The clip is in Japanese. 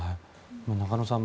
中野さん